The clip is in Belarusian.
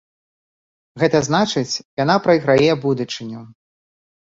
Гэта значыць, яна прайграе будучыню.